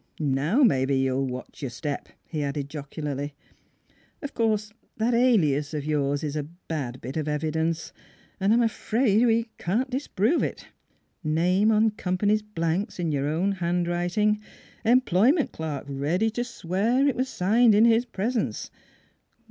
" Now maybe you'll watch your step," he added jocularly. u Of course that alias of yours is a bad bit of evidence, and I'm afraid we can't dis prove it: name on company's blanks in your own handwriting: employment clerk ready to swear it was signed in his presence.